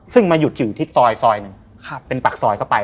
ซึ่งมาหยุดอยู่ที่ซอยซอยหนึ่งเป็นปากซอยเข้าไป